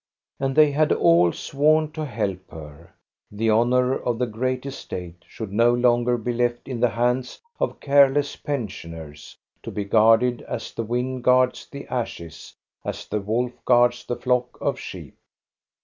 And they had all sworn to help her. The honor of the great estate should no longer be left in the hands of careless pensioners, to be guarded as the wind guards the ashes, as the wolf guards the flock of sheep.